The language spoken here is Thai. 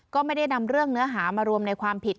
ก็ไม่ได้นำเรื่องเนื้อหามารวมในความผิด